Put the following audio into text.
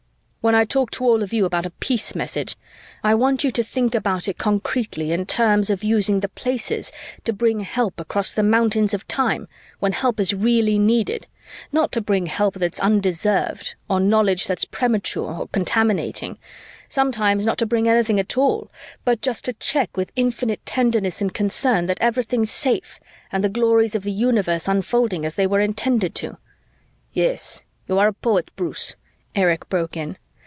When I talk to all of you about a peace message, I want you to think about it concretely in terms of using the Places to bring help across the mountains of time when help is really needed, not to bring help that's undeserved or knowledge that's premature or contaminating, sometimes not to bring anything at all, but just to check with infinite tenderness and concern that everything's safe and the glories of the universe unfolding as they were intended to " "Yes, you are a poet, Bruce," Erich broke in.